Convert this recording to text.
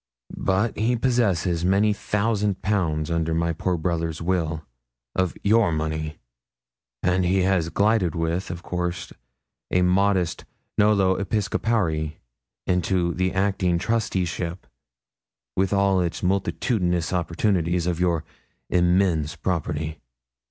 But he possesses many thousand pounds, under my poor brother's will, of your money; and he has glided with, of course a modest "nolo episcopari," into the acting trusteeship, with all its multitudinous opportunities, of your immense property.